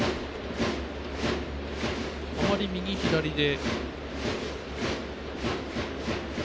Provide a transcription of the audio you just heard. あまり右左で。